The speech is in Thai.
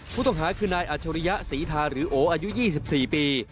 ผู้ต้องหาคือนายอัจฉริยะศรีทาหรือโออายุ๒๔ปี